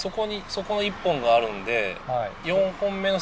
そこの１本があるんで。